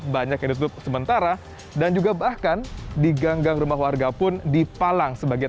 banyak yang ditutup sementara dan juga bahkan di ganggang rumah warga pun dipalang sebagai